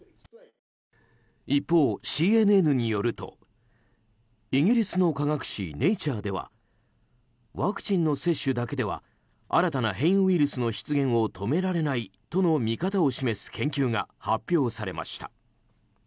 一方、ＣＮＮによるとイギリスの科学誌「ネイチャー」ではワクチンの接種だけでは新たな変異ウイルスの出現を止められないとの見方を示す研究が発表されました。